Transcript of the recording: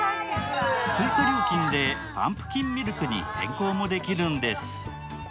追加料金でパンプキンミルクに変更もできるんです。